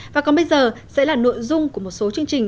và còn bây giờ sẽ là nội dung của một số chương trình